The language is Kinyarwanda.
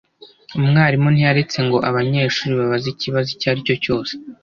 Umwarimu ntiyaretse ngo abanyeshuri babaze ikibazo icyo ari cyo cyose